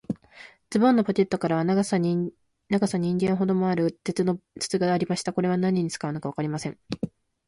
ズボンのポケットからは、長さ人間ほどもある、鉄の筒がありました。これは何に使うのかわかりません。